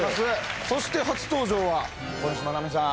そして初登場は小西真奈美さん。